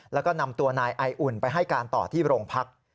แล้วก็นำตัวนายไออุ่นไปให้การต่อที่โรงพัก